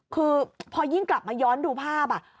คือพอยิ่งกลับมาย้อนดูภาพ